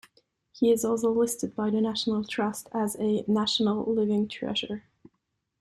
He is also listed by the National Trust as a "National Living Treasure".